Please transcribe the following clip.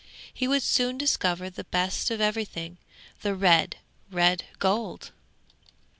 He would soon discover the best of everything, the red, red gold!